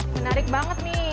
menarik banget nih